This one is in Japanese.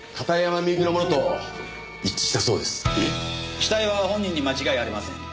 死体は本人に間違いありません。